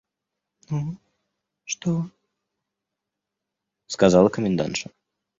«Ну, что? – сказала комендантша.